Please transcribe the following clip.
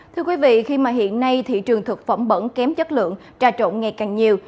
thưa quý vị khi mà hiện nay thị trường thực phẩm bẩn kém chất lượng trà trộn ngày càng nhiều